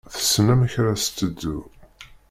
Tessen amek ara s-teddu.